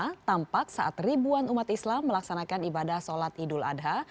suasana tampak saat ribuan umat islam melaksanakan ibadah sholat idul adha